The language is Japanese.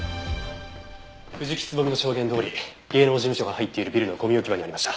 藤木蕾の証言どおり芸能事務所が入っているビルのごみ置き場にありました。